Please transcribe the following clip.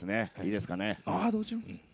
いいですかね？